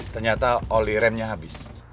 ternyata oli remnya habis